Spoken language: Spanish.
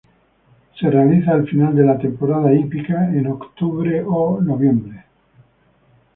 Se realiza al final de la temporada hípica, en octubre o noviembre.